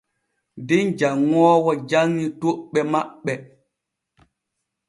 Den janŋoowo janŋi toɓɓe maɓɓe.